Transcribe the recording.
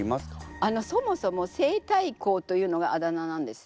あのそもそも西太后というのがあだ名なんですよ。